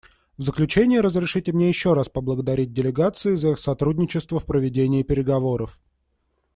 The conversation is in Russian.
В заключение разрешите мне еще раз поблагодарить делегации за их сотрудничество в проведении переговоров.